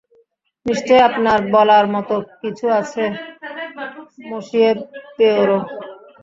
নিশ্চয়ই আপনার বলার মতো কিছু আছে, মসিয়ে পোয়ারো।